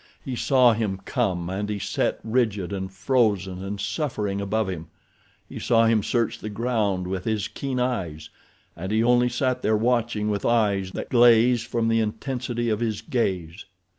He saw him come and he set rigid and frozen and suffering above him. He saw him search the ground with his keen eyes, and he only sat there watching with eyes that glazed from the intensity of his gaze.